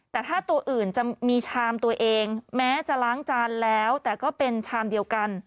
แต่ถ้าตัวอื่นจะมีชามตัวเองแม้จะล้างจานแล้วแต่ก็เป็นชามเดียวกัน